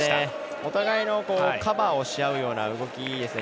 お互いのカバーをしあうような動きですね。